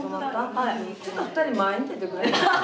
ちょっと２人前に出てくれん？